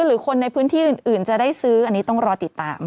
หรือคนในพื้นที่อื่นจะได้ซื้ออันนี้ต้องรอติดตาม